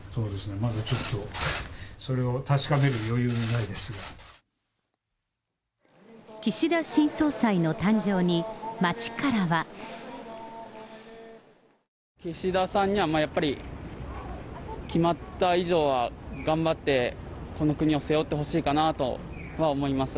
まだちょっと、それを確かめ岸田新総裁の誕生に、街から岸田さんにはやっぱり、決まった以上は頑張って、この国を背負ってほしいかなとは思います。